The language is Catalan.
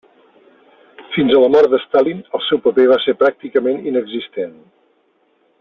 Fins a la mort de Stalin, el seu paper va ser pràcticament inexistent.